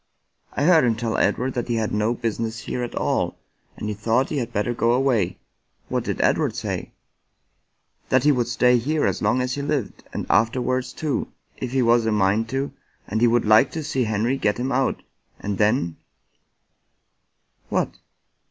" I heard him tell Edward that he had no business here at all, and he thought he had better go away." " What did Edward say ?"" That he would stay here as long as he lived and after 49 American Mystery Stories wards, too, if he was a mind to, and he would hke to see Henrv get him out ; and then "" What